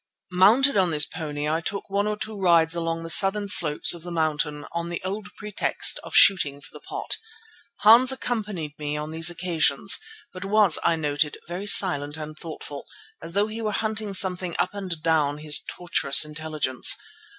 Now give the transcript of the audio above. Mounted on this pony I took one or two rides along the southern slopes of the mountain on the old pretext of shooting for the pot. Hans accompanied me on these occasions, but was, I noted, very silent and thoughtful, as though he were hunting something up and down his tortuous intelligence.